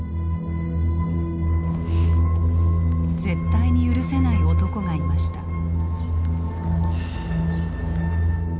絶対に許せない男がいました。